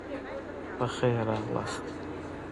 پخير راغلې